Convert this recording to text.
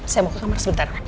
saya mau ke kamar sebentar